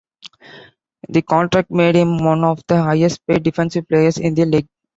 The contract made him one of the highest paid defensive players in the league.